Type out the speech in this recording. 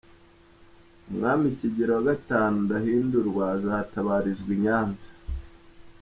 Umwami Kigeli V Ndahindurwa azatabarizwa i Nyanza.